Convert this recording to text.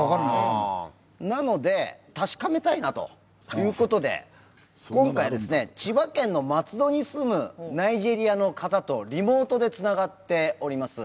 なので確かめたいなという事で今回ですね千葉県の松戸に住むナイジェリアの方とリモートで繋がっております。